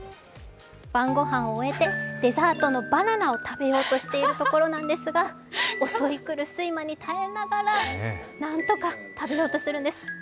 晩ご飯を終えてデザートのバナナを食べようとしているところなんですが襲い来る睡魔に耐えながら、何とか食べようとするんです。